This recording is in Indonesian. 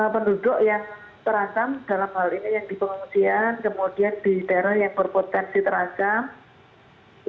penduduk yang terasam dalam hal ini yang di pengungsian kemudian di daerah yang berpotensi terasa